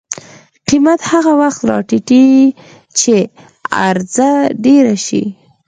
قیمت هغه وخت راټیټي چې عرضه ډېره شي.